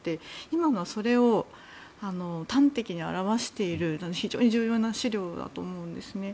今のは、それを端的に表している非常に重要な資料だと思うんですね。